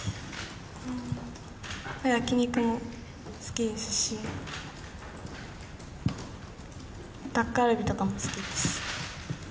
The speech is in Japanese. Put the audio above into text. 焼き肉も好きですし、タッカルビとかも好きです。